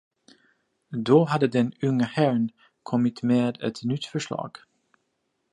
Då hade den unga herrn kommit med ett nytt förslag.